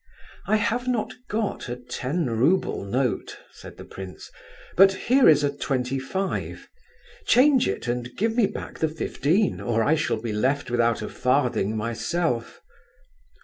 "I have not got a ten rouble note," said the prince; "but here is a twenty five. Change it and give me back the fifteen, or I shall be left without a farthing myself."